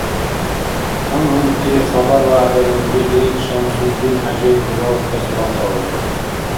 Кам-гьамти хабар-вягӀдара дурили, ШамсудинхӀяжи дуравхъес валкьаур.